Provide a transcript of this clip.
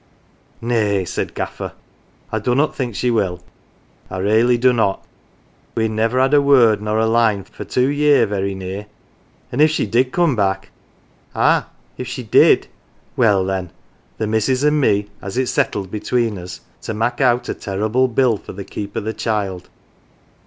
"Nay," said Gaffer. I dunnot think she will. I raly dunnot. We'n never had a word nor a line for two year very near. An" if she did come back " Ah, if she did !"" Well, then, the missus an" 1 me has it settled between us to mak' out a terrible bill for the keep o' the child.